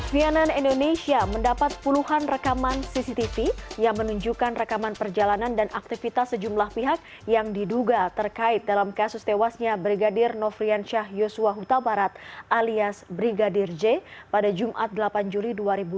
cnn indonesia mendapat puluhan rekaman cctv yang menunjukkan rekaman perjalanan dan aktivitas sejumlah pihak yang diduga terkait dalam kasus tewasnya brigadir nofrian syah yosua huta barat alias brigadir j pada jumat delapan juli dua ribu dua puluh